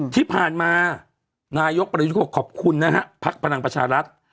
ที่ผ่านมานายกรัฐมนตรีก็ขอบคุณนะฮะภักดิ์พลังประชารัฐ